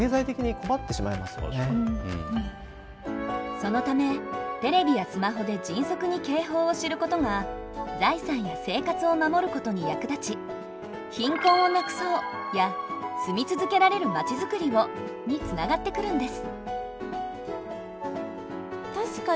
そのためテレビやスマホで迅速に警報を知ることが財産や生活を守ることに役立ち「貧困をなくそう」や「住み続けられるまちづくりを」につながってくるんです。